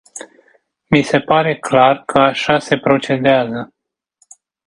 Mi se pare clar că așa se procedează.